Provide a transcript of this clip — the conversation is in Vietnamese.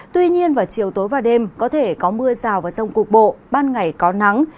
tuy nhiên vào chiều tối và đêm có thể có mưa rào và rông cục bộ ban ngày có nắng